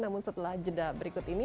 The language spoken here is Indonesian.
namun setelah jeda berikut ini